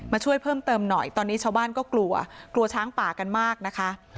ช่วยเพิ่มเติมหน่อยตอนนี้ชาวบ้านก็กลัวกลัวช้างป่ากันมากนะคะ